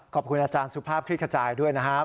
ขอบคุณอาจารย์สุภาพคลิกขจายด้วยนะครับ